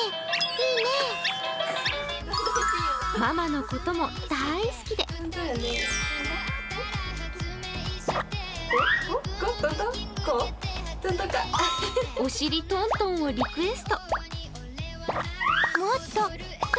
ママのことも大好きでお尻トントンをリクエスト。